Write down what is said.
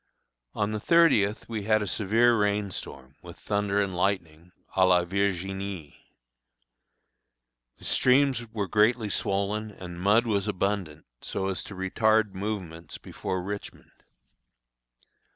On the thirtieth we had a severe rain storm, with thunder and lightning, à la Virginie. The streams were greatly swollen, and mud was abundant, so as to retard movements before Richmond.